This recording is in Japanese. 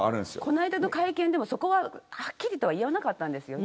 この間の会見でも、そこははっきりとは言いませんでした。